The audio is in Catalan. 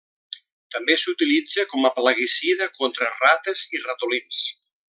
També s'utilitza com a plaguicida contra rates i ratolins.